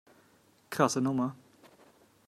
Krasse Nummer.